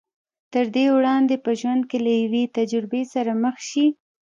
تر دې وړاندې چې په ژوند کې له يوې تجربې سره مخ شي.